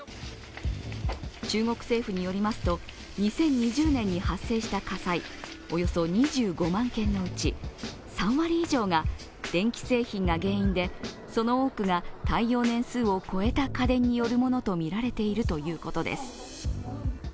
中国政府によりますと、２０２０年に発生した火災、およそ２５万件のうち３割以上が電気製品が原因でその多くが耐用年数を超えた家電によるものとみられているということです。